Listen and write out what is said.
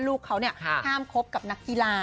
ลูกเขาห้ามคบกับนักกีฬา